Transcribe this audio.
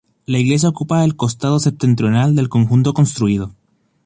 La iglesia ocupa el costado septentrional del conjunto construido.